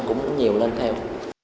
cũng nhiều lên theo